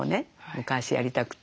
昔やりたくて。